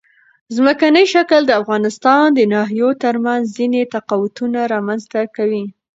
ځمکنی شکل د افغانستان د ناحیو ترمنځ ځینې تفاوتونه رامنځ ته کوي.